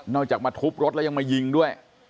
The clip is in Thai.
จากมาทุบรถแล้วยังมายิงด้วย